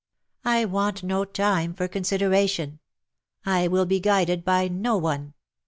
"1 want no time for consideration. I will be guided by no one.